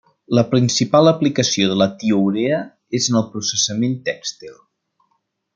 La principal aplicació de la tiourea és en el processament tèxtil.